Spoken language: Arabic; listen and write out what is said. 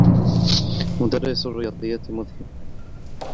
مدرّس الرّياضيّات مذهل.